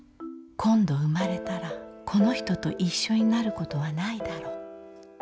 今度生まれたらこの人と一緒になることはないだろう。